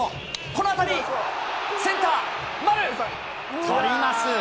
この当たり、センター、丸、捕ります。